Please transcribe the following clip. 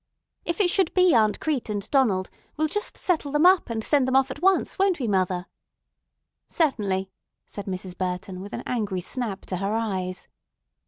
"If it should be Aunt Crete and Donald, we'll just settle them up and send them off at once, won't we, mother?" "Certainly," said Mrs. Burton with an angry snap to her eyes.